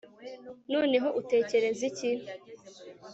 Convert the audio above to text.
noneho, utekereza iki